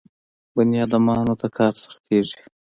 بني ادمانو ته کار سختېږي.